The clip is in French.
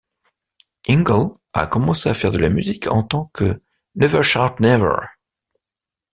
Ingle a commencé à faire de la musique en tant que NeverShoutNever!